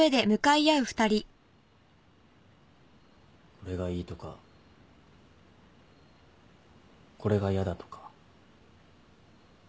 これがいいとかこれがやだとか。